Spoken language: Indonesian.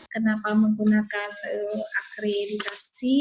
kenapa menggunakan akreditasi